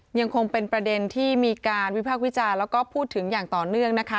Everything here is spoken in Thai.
ยังคงเป็นประเด็นที่มีการวิพากษ์วิจารณ์แล้วก็พูดถึงอย่างต่อเนื่องนะคะ